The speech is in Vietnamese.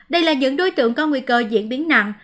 đây là những đối tượng có nguy cơ diễn biến nặng